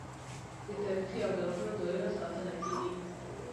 د تاریخي او لرغونو ځایونو ساتنه کیږي.